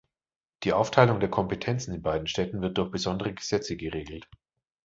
Die Aufteilung der Kompetenzen in beiden Städten wird durch besondere Gesetze geregelt.